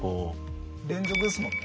連続ですもんね。